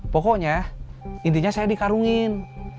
pokoknya intinya saya di karungin